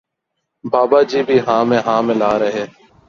بابا جی بھی ہاں میں ہاں ملا رہے